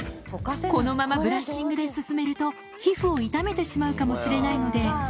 このままブラッシングで進めると、皮膚を痛めてしまうかもしれないので。